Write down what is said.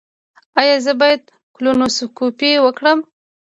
ایا زه باید کولونوسکوپي وکړم؟